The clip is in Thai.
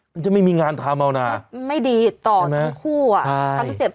มันจะไม่มีงานทำเอานะไม่ดีต่อทั้งคู่อ่ะ